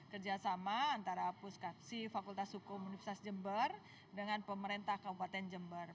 kerjasama antara puskapsi fakultas hukum universitas jember dengan pemerintah kabupaten jember